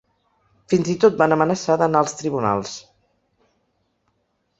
Fins i tot van amenaçar d’anar als tribunals.